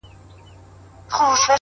• هم یې ماڼۍ وې تر نورو جګي ,